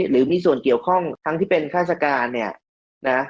หรือมีส่วนเกี่ยวข้องทั้งที่เป็นฆาติการเนี่ยนะ